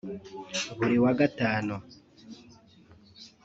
Buri wa Gatanu